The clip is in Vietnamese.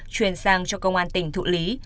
truyền sang cho công an tỉnh thụ lý